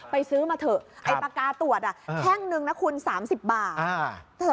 ซื้อมาเถอะไอ้ปากกาตรวจแท่งนึงนะคุณ๓๐บาท